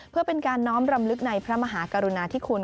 เพื่อเป็นการน้อมรำลึกในพระมหากรุณาธิคุณ